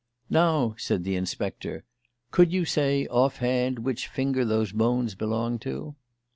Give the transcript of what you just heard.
"Now," said the inspector, "could you say, off hand, which finger those bones belong to?"